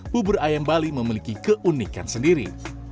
bubur ayam bali memiliki keunikan sendiri